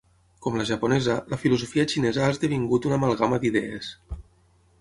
Com la japonesa, la filosofia xinesa ha esdevingut una amalgama d'idees.